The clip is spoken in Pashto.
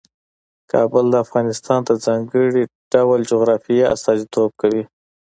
کابل د افغانستان د ځانګړي ډول جغرافیه استازیتوب کوي.